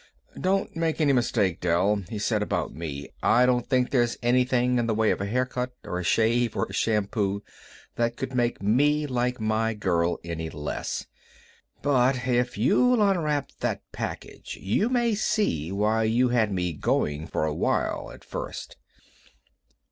"Don't make any mistake, Dell," he said, "about me. I don't think there's anything in the way of a haircut or a shave or a shampoo that could make me like my girl any less. But if you'll unwrap that package you may see why you had me going a while at first."